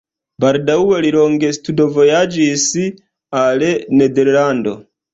Baldaŭe li longe studvojaĝis al Nederlando.